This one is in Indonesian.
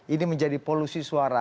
ini menjadi polusi suara